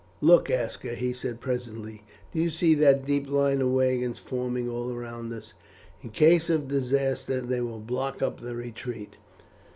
"Look, Aska," he said presently; "do you see that deep line of wagons forming all round us? In case of disaster they will block up the retreat.